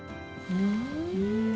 うん。